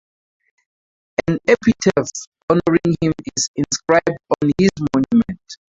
An epitaph honouring him is inscribed on his monument.